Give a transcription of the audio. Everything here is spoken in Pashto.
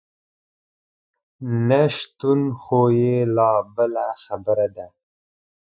نشتون خو یې لا بله خبره ده.